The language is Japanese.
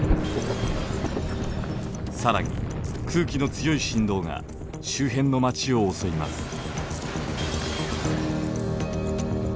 更に空気の強い振動が周辺の街を襲います。